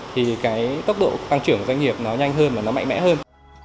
thì cái tốc độ tăng trưởng của doanh nghiệp nó nhanh hơn và nó mạnh mẽ hơn